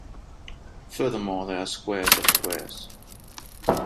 Furthermore, they are squares of squares.